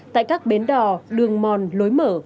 tại các bến đò lường mòn lối mở